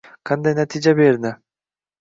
Qanday natija berdi